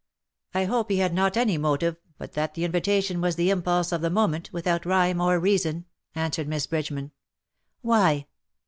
" I hope he had not any motive, but that the invitation was the impulse of the moment, without rhyme or reason," answered Miss Bridgeman. "Why?"